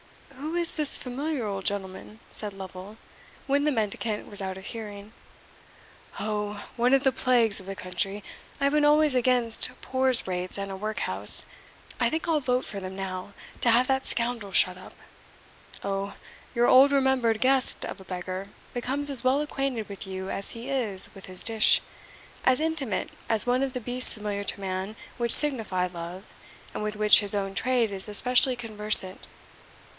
"Who is this familiar old gentleman?" said Lovel, when the mendicant was out of hearing. "O, one of the plagues of the country I have been always against poor's rates and a work house I think I'll vote for them now, to have that scoundrel shut up. O, your old remembered guest of a beggar becomes as well acquainted with you as he is with his dish as intimate as one of the beasts familiar to man which signify love, and with which his own trade is especially conversant.